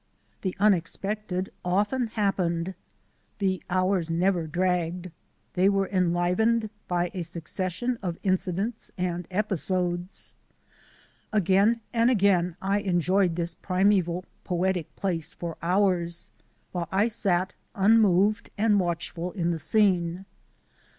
The unexpected often happened. The hours never dragged, they were enlivened by a succession of incidents and episodes. Again and again I enjoyed this primeval, poetic place for hours, while I sat unmoved and watchful in the scene.